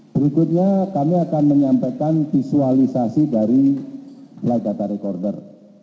berikutnya kami akan menyampaikan visualisasi dari flight data recorder